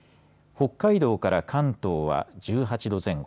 北海道から関東は１８度前後。